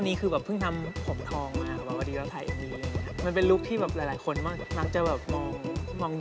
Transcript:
นิดนึงนิดนึง